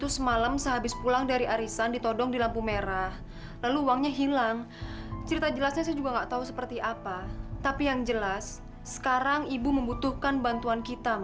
sampai jumpa di video selanjutnya